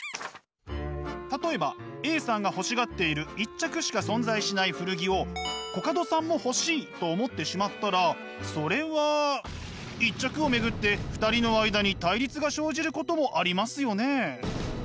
例えばＡさんが欲しがっている１着しか存在しない古着をコカドさんも欲しいと思ってしまったらそれは１着を巡って２人の間に対立が生じることもありますよね。